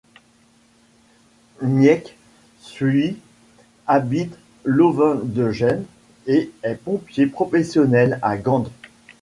Mieke Suys habite Lovendegem et est pompier professionnel à Gand.